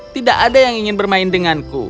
tidak ada yang ingin bermain denganku